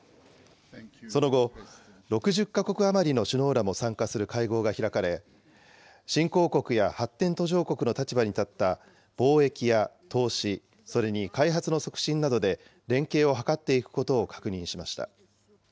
その後、６０か国余りの首脳らも参加する会合が開かれ、新興国や発展途上国の立場に立った貿易や投資、それに開発の促進などで連携を図っていくことを確認しました。